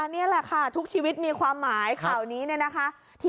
นี่แหละค่ะทุกชีวิตมีความหมายข่าวนี้เนี่ยนะคะ